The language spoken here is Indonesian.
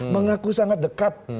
mengaku sangat dekat